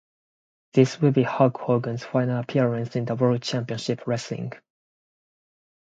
This would be Hulk Hogan's final appearance in World Championship Wrestling.